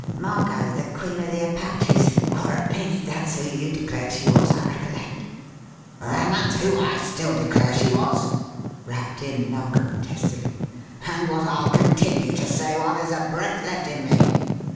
Margot, the Queen of the Apaches. Or, at least, that's who you declared she was, I recollect." "And that's who I still declare she was!" rapped in Narkom, testily, "and what I'll continue to say while there's a breath left in me.